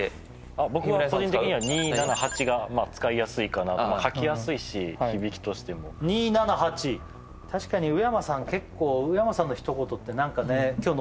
僕も個人的には２７８が使いやすいかなと書きやすいし響きとしても２７８確かに結構宇山さんのひと言ってなんかね今日ノ